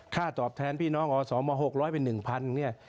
ตอบแทนพี่น้องอสม๖๐๐เป็น๑๐๐เนี่ย